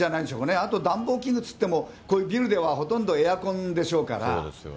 あと、暖房器具っていっても、こういうビルではほとんどエアコンでしょうから。